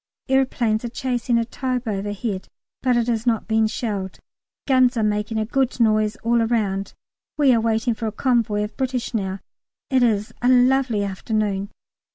Aeroplanes are chasing a Taube overhead, but it is not being shelled. Guns are making a good noise all round. We are waiting for a convoy of British now. It is a lovely afternoon.